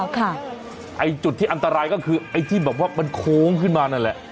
ไอ้จุดที่อันตรายก็คือไอ้ที่แบบว่ามันโค้งขึ้นมานั่นแหละ